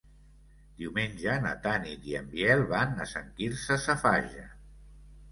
Diumenge na Tanit i en Biel van a Sant Quirze Safaja.